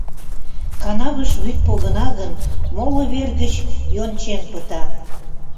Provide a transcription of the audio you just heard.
Канавыш вӱд погына гын, моло вер гыч йончен пыта.